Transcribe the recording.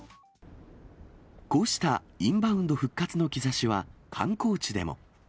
こうしたインバウンド復活の兆しは、観光地でも。